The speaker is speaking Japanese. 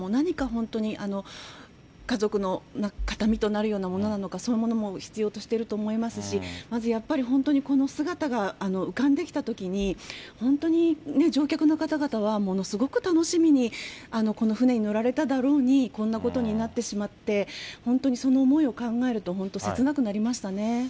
本当に、家族の形見となるようなものなのか、そういうようなものを必要としていると思いますし、まずやっぱり、本当にこの姿が浮かんできたときに、本当に乗客の方々はものすごく楽しみに、この船に乗られただろうに、こんなことになってしまって、本当にその思いを考えると、本当、切なくなりましたね。